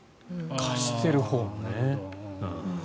貸してるほうもね。